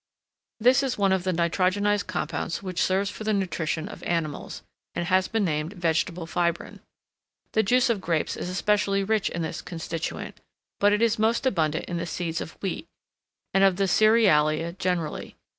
This is one of the nitrogenised compounds which serves for the nutrition of animals, and has been named vegetable fibrine. The juice of grapes is especially rich in this constituent, but it is most abundant in the seeds of wheat, and of the cerealia generally.